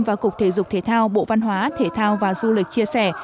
và cục thể dục thể thao bộ văn hóa thể thao và du lịch chia sẻ